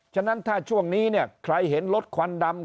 ฉะนั้นถ้าช่วงนี้เนี่ยใครเห็นรถควันดำ